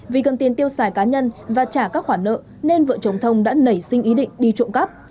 vì cần tiền tiêu xài cá nhân và trả các khoản nợ nên vợ chồng thông đã nảy sinh ý định đi trộm cắp